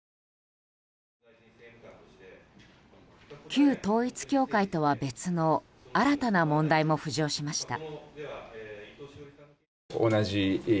旧統一教会とは別の新たな問題も浮上しました。